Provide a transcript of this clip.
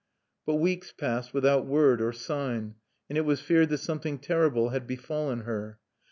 But weeks passed without word or sign; and it was feared that something terrible had befallen her.